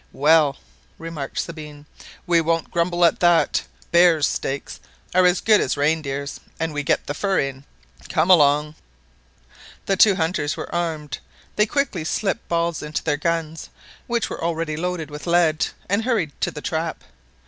"Well," remarked Sabine, "we won't grumble at that, bears' steaks are as good as reindeers', and we get the fur in! Come along." The two hunters were armed. They quickly slipped balls into their guns, which were already loaded with lead, and hurried to the trap.